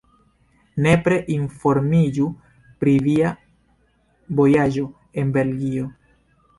Nepre informiĝu dum via vojaĝo en Belgio!